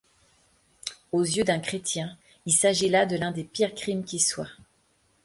Aux yeux d'un chrétien, il s'agit là de l'un des pires crimes qui soient.